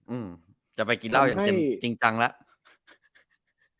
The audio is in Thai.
อืมจะไปกินเหล้าอย่างจริงจังแล้ว